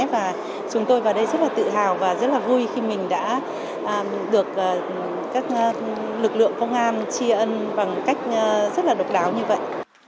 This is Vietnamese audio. và chúng tôi vào đây rất là tự hào và rất là vui khi mình đã được các lực lượng công an tri ân bằng cách rất là độc đáo như vậy